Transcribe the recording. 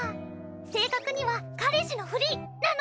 正確には彼氏のフリなの！